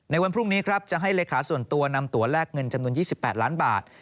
วันพรุ่งนี้ครับจะให้เลขาส่วนตัวนำตัวแลกเงินจำนวน๒๘ล้านบาท